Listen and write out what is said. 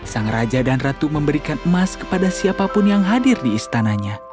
sang raja dan ratu memberikan emas kepada siapapun yang hadir di istananya